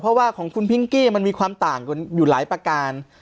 เพราะว่าของคุณพิงกี้มันมีความต่างอยู่หลายประการ